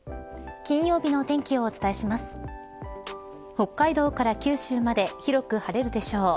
北海道から九州まで広く晴れるでしょう。